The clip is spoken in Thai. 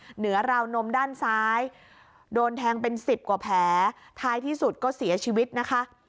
เหนือราวนมด้านซ้ายโดนแทงเป็นสิบกว่าแผลท้ายที่สุดก็เสียชีวิตนะคะ